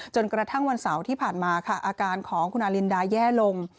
จนกระทั่งวันเสาร์ที่ผ่านมาค่ะอาการของคุณอารินดาแย่ลง